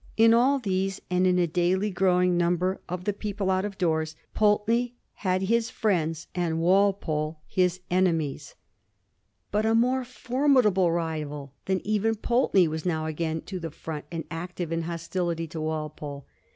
In all these, and in a daily growing number of the people out of doors, Pulteney had his friends and Walpole his enemies. Digiti zed by Google 1726 BOUNGBROKE AGAIN. 337 But a more formidable rival than even Pulteney was now again to the front and active in hostility to Walpole.